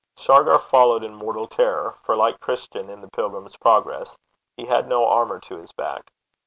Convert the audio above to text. Shargar followed in mortal terror, for, like Christian in The Pilgrim's Progress, he had no armour to his back.